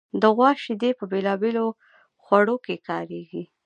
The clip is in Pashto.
د غوا شیدې په بېلابېلو خوړو کې کارېږي.